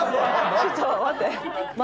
ちょっと待って。